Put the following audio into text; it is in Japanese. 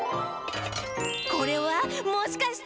これはもしかして？